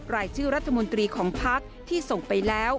รายชื่อรัฐมนตรีของพักที่ส่งไปแล้ว